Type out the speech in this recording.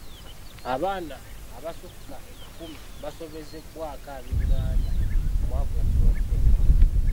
Abaaana abasukka ekkumi baasobezebwako ab'enganda omwaka oguwedde.